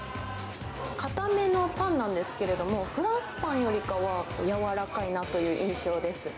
硬めのパンなんですけれども、フランスパンよりかは柔らかいなという印象です。